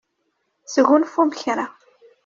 Sgunfum kra.